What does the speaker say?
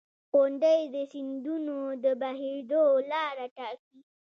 • غونډۍ د سیندونو د بهېدو لاره ټاکي.